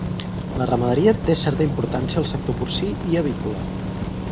La ramaderia té certa importància al sector porcí i avícola.